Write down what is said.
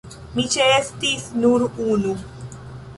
Ni ĉeestis nur unu.